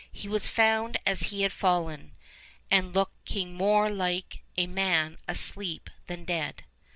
He was found as he had fallen, 'and looking more like a man asleep than dead.